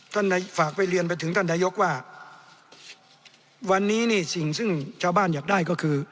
ฝากไปเรียนไปถึงท่านนายกว่าวันนี้นี่สิ่งซึ่งชาวบ้านอยากได้ก็คือ